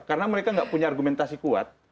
karena mereka nggak punya argumentasi kuat